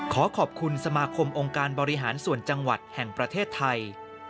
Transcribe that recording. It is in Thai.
ขอขอบคุณสมาคมองค์การบริหารส่วนจังหวัดแห่งประเทศไทย